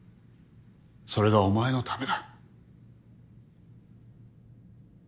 それがお前のためだ。